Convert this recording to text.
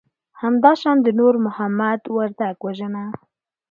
همدا شان د نور محمد وردک وژنه